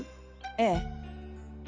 ええ。